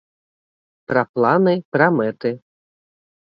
Пра планы, пра мэты.